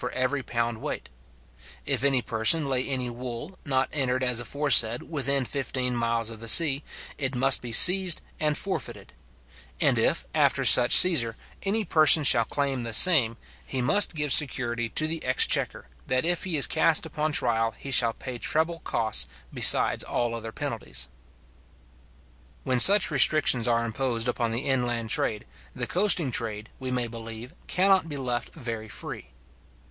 for every pound weight, if any person lay any wool, not entered as aforesaid, within fifteen miles of the sea, it must be seized and forfeited; and if, after such seizure, any person shall claim the same, he must give security to the exchequer, that if he is cast upon trial he shall pay treble costs, besides all other penalties. When such restrictions are imposed upon the inland trade, the coasting trade, we may believe, cannot be left very free.